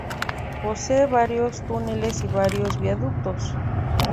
Posee varios túneles y varios viaductos.